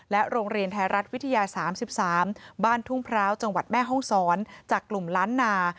โรงเรียนไทยรัฐวิทยา๓๓บ้านทุ่งพร้าวจังหวัดแม่ห้องศรจากกลุ่มล้านนา